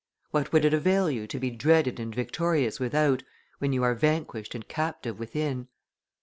What would it avail you to be dreaded and victorious without, when you are vanquished and captive within?"